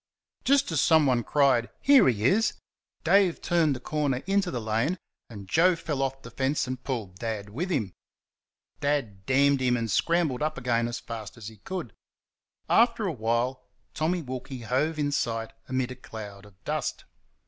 Just as someone cried "Here he is!" Dave turned the corner into the lane, and Joe fell off the fence and pulled Dad with him. Dad damned him and scrambled up again as fast as he could. After a while Tommy Wilkie hove in sight amid a cloud of dust.